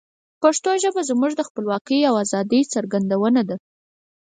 پښتو ژبه زموږ د خپلواکۍ او آزادی څرګندونه ده.